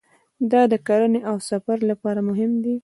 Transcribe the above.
دا د کرنې او سفر لپاره مهم دی.